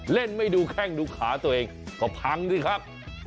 เล่นไม่ดูแข้งดูขาตัวเองก็พังสิครับ